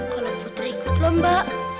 kalau putri ikut lomba